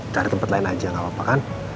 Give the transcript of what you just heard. cari tempat lain aja gak apa apa kan